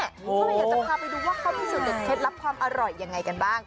ก็เลยจะพาไปดูว่าเขาพิสูจน์เด็ดเคล็ดรับความอร่อยอย่างไรกันบ้าง